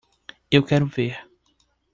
Eu quero ver